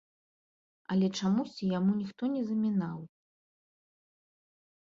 Але чамусьці яму ніхто не замінаў.